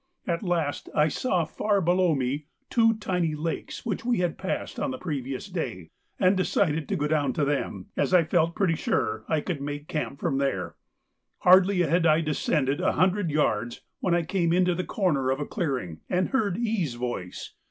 At last I saw far below me two tiny lakes which we had passed on the previous day, and decided to go down to them, as I felt pretty sure I could make camp from there. Hardly had I descended a hundred yards, when I came into the corner of a clearing, and heard E.'s voice.